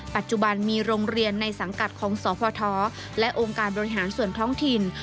ปัจจุบันมีโรงเรียนในสังกัดของสพและองค์การบริหารส่วนท้องถิ่น